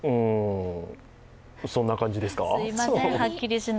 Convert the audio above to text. そんな感じですか？